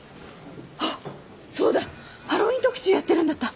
あっそうだハロウィン特集やってるんだった。